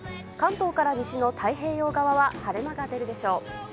関東から西の太平洋側は晴れ間が出るでしょう。